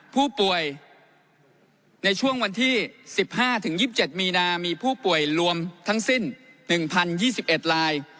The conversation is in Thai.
ผู้ป่วยในช่วงวันที่๑๕๒๗มีนามีผู้ป่วยรวมทั้งสิ้น๑๐๒๑ลาย